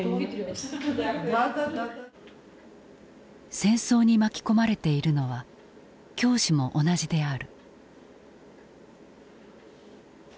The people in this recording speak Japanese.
戦争に巻き込まれているのは教師も同じである。